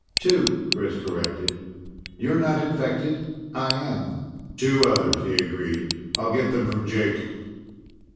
"Two," Chris corrected. "You're not infected, I am." "Two others," he agreed. "I'll get them from Jake."